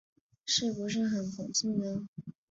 是不是很讽刺呢？